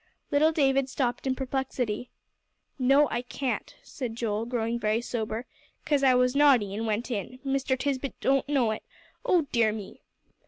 Little David stopped in perplexity. "No, I can't," said Joel, growing very sober, "'cause I was naughty and went in. Mr. Tisbett doesn't know it. O dear me!"